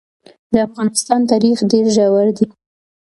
د افغانستان تاریخ ډېر ژور دی.